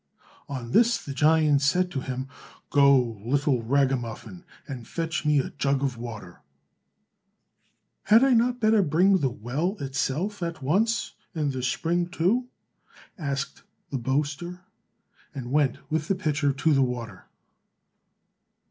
On this the giant said to him, "Go, little ragamuffin, and fetch me a jug of water." "Had I not better bring the well itself at once, and the spring too?" asked the boaster, and went with the pitcher to the water.